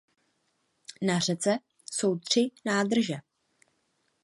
Na řece jsou tři nádrže.